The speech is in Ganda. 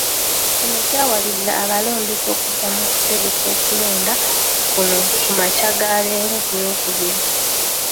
Kino kyawaliriza abalondesa okuddamu okutegeka okulonda kuno ku makya ga leero ku Lwokubiri.